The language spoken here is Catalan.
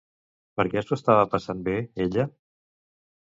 Per què s'ho estava passant bé, ella?